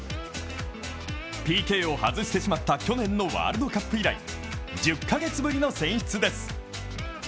ＰＫを外してしまった去年のワールドカップ以来１０か月ぶりの選出です。